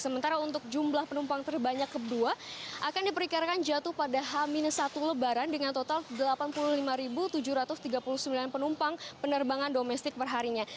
sementara untuk jumlah penumpang terbanyak kedua akan diperkirakan jatuh pada h satu lebaran dengan total delapan puluh lima tujuh ratus tiga puluh sembilan penumpang penerbangan domestik perharinya